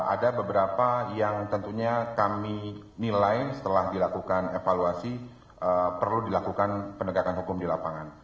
ada beberapa yang tentunya kami nilai setelah dilakukan evaluasi perlu dilakukan penegakan hukum di lapangan